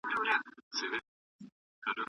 دولت به نوي پلانونه جوړ کړي.